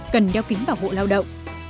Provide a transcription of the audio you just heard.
cần đeo kính bảo hộ lao động